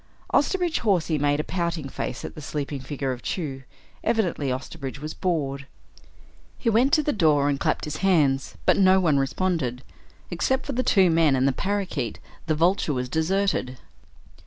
Osterbridge Hawsey made a pouting face at the sleeping figure of Chew; evidently Osterbridge was bored. He went to the door and clapped his hands, but no one responded. Except for the two men and the parakeet, the Vulture was deserted.